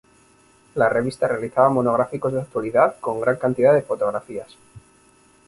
La revista realizaba monográficos de actualidad con gran cantidad de fotografías.